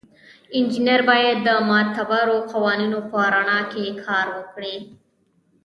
انجینر باید د معتبرو قوانینو په رڼا کې کار وکړي.